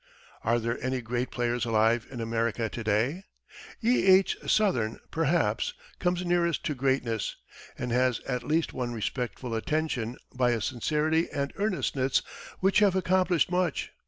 Are there any great players alive in America to day? E. H. Sothern, perhaps, comes nearest to greatness, and has at least won respectful attention by a sincerity and earnestness which have accomplished much.